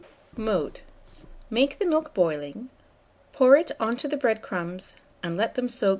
Mode. Make the milk boiling, pour it on to the bread crumbs, and let them soak for about 1/2 hour.